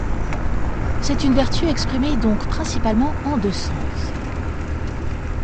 C'est une vertu exprimée donc principalement en deux sens.